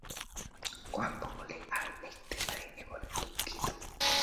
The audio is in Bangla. গল্পগুলি আর লিখতে পারিনি বলে দুঃখিত।